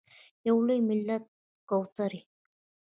یو لوی ملت کوترې…